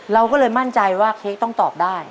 เราก็เลยมั่นใจว่าเค้กต้องตอบได้